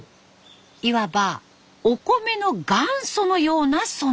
いわばお米の元祖のような存在。